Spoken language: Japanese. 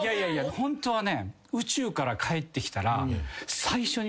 ホントはね。